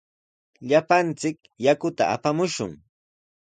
Llapallanchik yakuta apamushun.